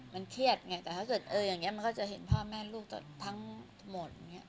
มันเครียดเนี้ยแต่ถ้าเขาสิวิทย์เอออย่างเงี้ยมันเขาจะเห็นพ่อแม่ลูกตั้งหมดอย่างเงี้ย